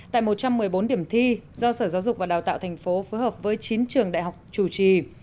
tại một trăm một mươi bốn điểm thi do sở giáo dục và đào tạo thành phố phối hợp với chín trường đại học chủ trì